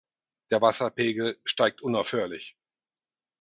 Der Wasserpegel steigt unaufhörlich.